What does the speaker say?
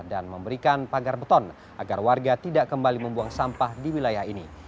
dan memberikan pagar beton agar warga tidak kembali membuang sampah di wilayah ini